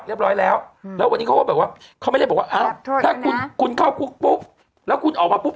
เรียบร้อยแล้วแล้ววันนี้เขาไม่ได้บอกว่าถ้าคุณเข้าคุกปุ๊บแล้วคุณออกมาปุ๊บ